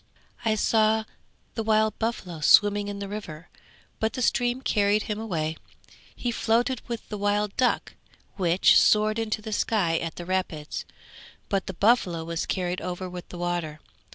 I saw the wild buffalo swimming in the river, but the stream carried him away; he floated with the wild duck, which soared into the sky at the rapids; but the buffalo was carried over with the water.